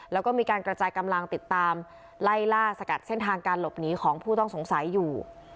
แล้วก็มีการกระจายกำลังติดตามไล่ล่าสกัดเส้นทางการหลบหนีของผู้ต้องสงสัยอยู่